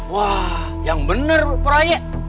wah yang bener pak rete